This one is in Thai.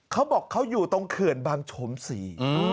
เขาบอกเขาอยู่ตรงเขื่อนบางโฉมศรี